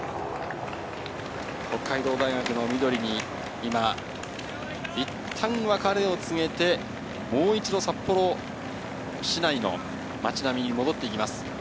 北海道大学の緑に、今、いったん別れを告げて、もう一度、札幌市内の街並みに戻っていきます。